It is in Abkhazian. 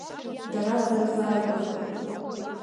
Дара днарзааигәахеит.